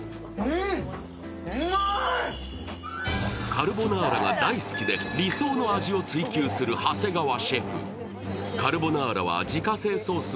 カルボナーラが大好きで理想の味を追求する長谷川シェフ。